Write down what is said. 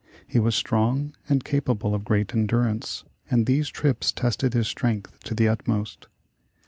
He was strong, and capable of great endurance, and these trips tested his strength to the utmost.